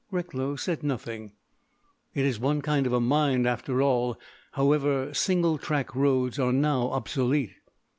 Recklow said nothing. It is one kind of mind, after all. However, single track roads are now obsolete.